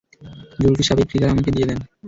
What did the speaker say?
জুলফি সাব, এই ট্রিগার আমাকে দিয়ে দেন।